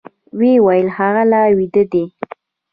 وويل هغه لا ويده دی.